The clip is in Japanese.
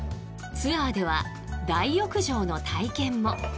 ツアーでは大浴場の体験も。